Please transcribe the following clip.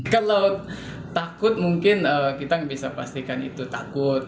kalau takut mungkin kita bisa pastikan itu takut